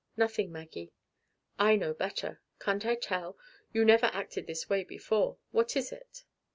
"Nothing, Maggie." "I know better. Can't I tell? You never acted this way before. What is it?"